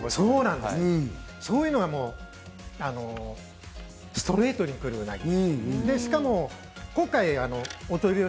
そういうのがストレートに来るうなぎ。